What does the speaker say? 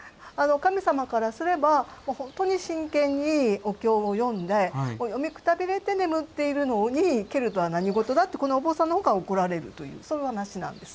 神様からすれば本当に真剣にお経を読んで読みくたびれて眠っているのに蹴るとは何事だってこのお坊さんの方が怒られるというそういう話なんです。